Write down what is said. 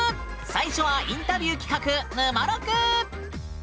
最初はインタビュー企画「ぬまろく」。